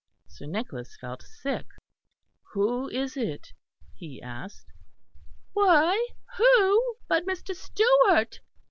Sir Nicholas felt sick. "Who is it?" he asked. "Why, who but Mr. Stewart?"